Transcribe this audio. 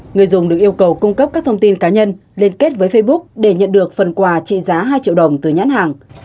người dùng được yêu cầu cung cấp các thông tin cá nhân liên kết với facebook để nhận được phần quà trị giá hai triệu đồng từ nhãn hàng